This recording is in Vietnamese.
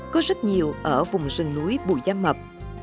có rất nhiều ở vùng rừng núi bù gia mập